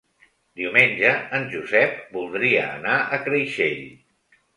Diumenge en Josep voldria anar a Creixell.